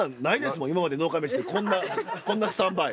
今まで「農家メシ！」でこんなスタンバイ。